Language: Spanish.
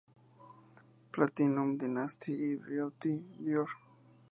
Platinum, Dynasty y Beauty Dior.